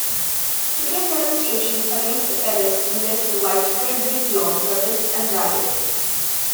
Student demonstrations against the arrests led to widespread week-long protests and riots.